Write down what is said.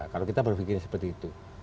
kalau kita berpikir seperti itu